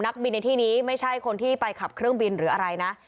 นักบินในที่นี้ไม่ใช่คนที่ไปขับเครื่องบินหรืออะไรนะ